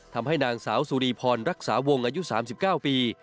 ทำให้นางสาวสุรีพรรักษาวงอายุ๓๙ปี